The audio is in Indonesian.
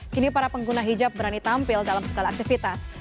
kini para pengguna hijab berani tampil dalam segala aktivitas